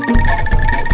gak tau kang